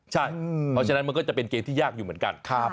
ใช่เพราะฉะนั้นมันก็จะเป็นเกมที่ยากอยู่เหมือนกัน